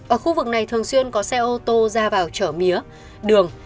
ở khu vực này thường xuyên có xe ô tô ra vào chở mía đường